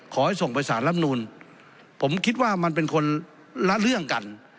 ขอให้ส่งไปสารลำนูนผมคิดว่ามันเป็นคนละเรื่องกัน